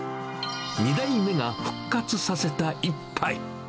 ２代目が復活させた一杯。